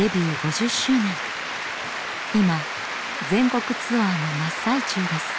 今全国ツアーの真っ最中です。